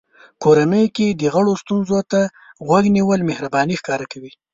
کورنۍ کې د غړو ستونزو ته غوږ نیول مهرباني ښکاره کوي.